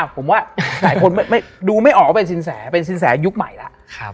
ผมว่าหลายคนดูไม่ออกว่าเป็นสินแสเป็นสินแสยุคใหม่แล้ว